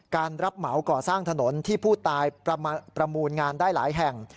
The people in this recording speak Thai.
รับเหมาก่อสร้างถนนที่ผู้ตายประมูลงานได้หลายแห่ง